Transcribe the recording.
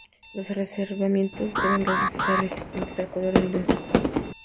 Los revestimientos deben ser resistentes al calor y al desgaste.